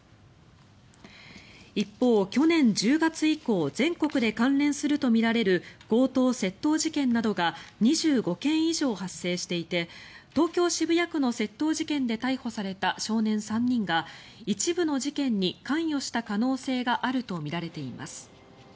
一方、去年１０月以降全国で関連するとみられる強盗・窃盗事件などが２５件以上発生していて東京・渋谷区の窃盗事件で逮捕された少年３人が一部の事件に関与した可能性があるとみられています。